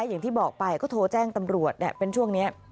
อย่างที่บอกไปก็โทรแจ้งตำรวจเป็นช่วงนี้